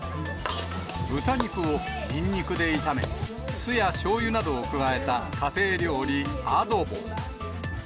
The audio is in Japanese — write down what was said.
豚肉をニンニクで炒め、酢やしょうゆなどを加えた家庭料理、アドボ。